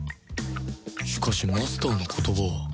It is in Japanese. しかしマスターの言葉は